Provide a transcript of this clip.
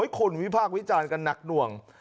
คนวิพากษ์วิจารณ์กันหนักหน่วง